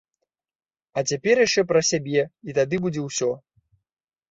А цяпер яшчэ пра сябе, і тады будзе ўсё.